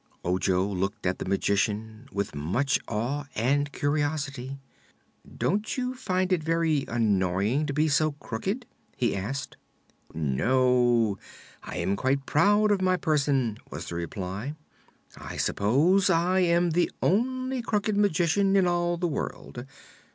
Ojo looked at the Magician with much awe and curiosity. "Don't you find it very annoying to be so crooked?" he asked. "No; I am quite proud of my person," was the reply. "I suppose I am the only Crooked Magician in all the world.